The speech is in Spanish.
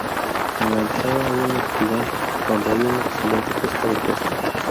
En la entrada hay un espigón donde hay excelente pesca de costa.